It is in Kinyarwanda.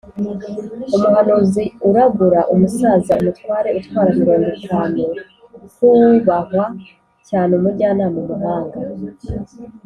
umuhanuzi uragura umusaza umutware utwara mirongo itanu h uwubahwa cyane umujyanama umuhanga